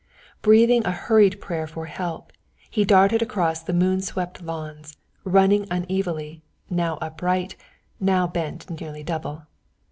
Breathing a hurried prayer for help, he darted across the moon swept lawns, running unevenly, now upright, now bent nearly double.